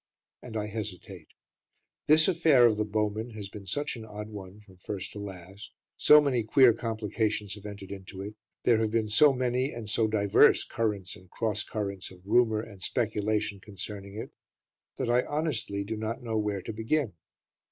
And I hesitate. This affair of "The Bowmen" has been such an odd one from first to last, so many queer complications have entered into it, there have been so many and so divers currents and cross currents of rumour and speculation concerning it, that I honestly do not know where to begin.